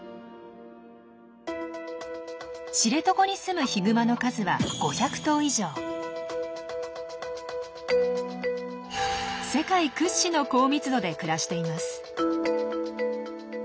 知床にすむヒグマの数は世界屈指の高密度で暮らしています。